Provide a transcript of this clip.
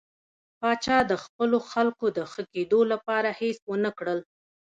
پاچا د خپلو خلکو د ښه کېدو لپاره هېڅ ونه کړل.